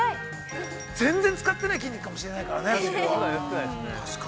◆全然使ってない筋肉かもしれないからね、確かに。